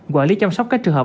quản lý chăm sóc các trường hợp